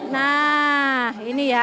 nah ini ya